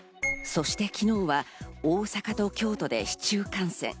そして昨日は大阪と京都で市中感染。